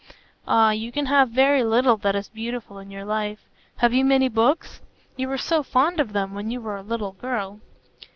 "Ah, you can have very little that is beautiful in your life. Have you many books? You were so fond of them when you were a little girl."